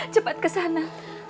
cepat ke sana